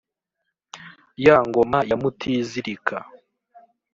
ya ngoma ya mutizirika